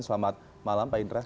selamat malam pak indra